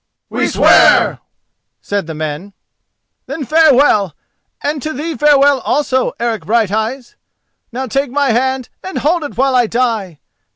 "We swear," said the men. "Then farewell! And to thee farewell, also, Eric Brighteyes! Now take my hand and hold it while I die.